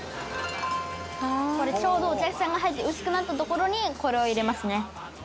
「ちょうどお客さんが入って薄くなったところにこれを入れますね」